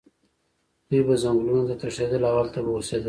دوی به ځنګلونو ته تښتېدل او هلته به اوسېدل.